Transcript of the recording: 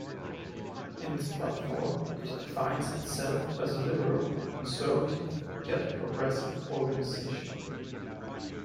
In its platform, it defines itself as a liberal, conservative, yet progressive organization.